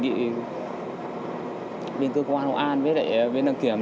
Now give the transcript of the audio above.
chúng tôi nghĩ bên cơ quan hồ an với lại bên đăng kiểm